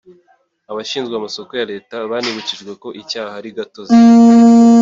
Abashinzwe amasoko ya Leta banibukijwe ko icyaha ari gatozi